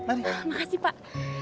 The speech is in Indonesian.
terima kasih pak